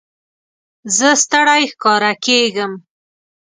زه ستړی ښکاره کېږم.